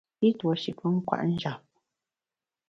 I tuo shi pe kwet njap.